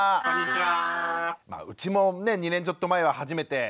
うちもね２年ちょっと前は初めて生まれた。